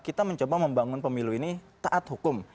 kita mencoba membangun pemilu ini taat hukum